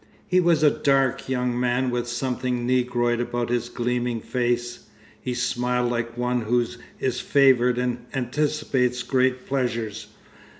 He was a dark young man with something negroid about his gleaming face. He smiled like one who is favoured and anticipates great pleasures.